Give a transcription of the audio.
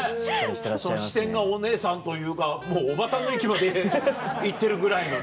視点がお姉さんというかもうおばさんの域まで行ってるぐらいのね。